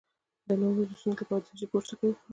د نعوظ د ستونزې لپاره د څه شي پوستکی وخورم؟